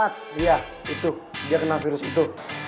iya itu dia kena virus itu